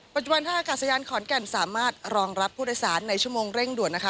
ปัจจุบันท่าอากาศยานขอนแก่นสามารถรองรับผู้โดยสารในชั่วโมงเร่งด่วนนะคะ